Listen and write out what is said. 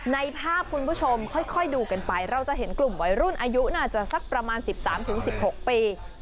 ในภาพคุณผู้ชมค่อยดูกันไปเราจะเห็นกลุ่มวัยรุ่นอายุน่าจะสักประมาณ๑๓๑๖ปี